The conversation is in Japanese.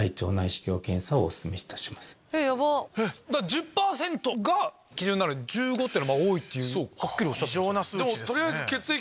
１０％が基準なのに１５っていうのは多いってはっきりおっしゃってました。